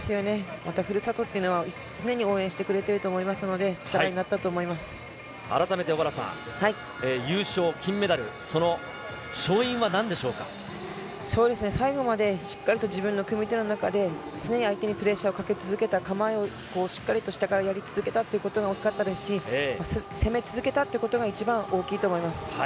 またふるさとっていうのは、常に応援してくれていると思いますので、改めて小原さん、優勝、金メダル、勝因ですね、最後までしっかりと自分の組み手の中で、常に相手にプレッシャーをかけ続けた構えをしっかりと下からやり続けたということが大きかったですし、攻め続けたってことが一番大きいと思います。